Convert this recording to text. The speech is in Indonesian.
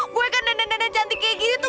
gue kan dandan dandan cantik kayak gitu buat lo tau